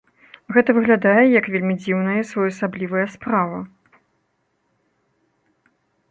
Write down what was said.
Гэта выглядае як вельмі дзіўная і своеасаблівая справа.